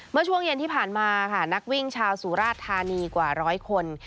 เมื่อช่วงเย็นที่ผ่านมาค่ะนักวิ่งชาวสุราชธานีกว่าร้อยคน